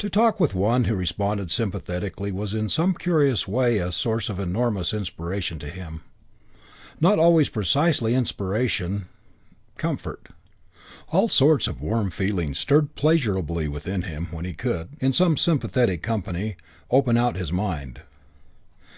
To talk with one who responded sympathetically was in some curious way a source of enormous inspiration to him. Not always precisely inspiration, comfort. All sorts of warming feelings stirred pleasurably within him when he could, in some sympathetic company, open out his mind.